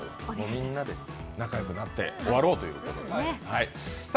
みんなで仲良くなって終わろうということです。